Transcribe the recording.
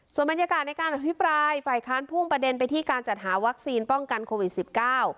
ส่วนบรรยากาศในการอภิปรายฝ่ายค้านพุ่งประเด็นไปที่การจัดหาวัคซีนป้องกันโควิดสิบเก้า